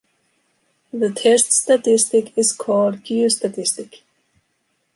The test statistic is called “Q-statistic.”